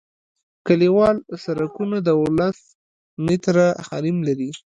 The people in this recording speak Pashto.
کلیوال سرکونه دولس متره حریم لري